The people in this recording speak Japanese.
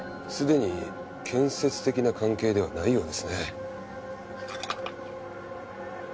すでに建設的な関係ではないようですね。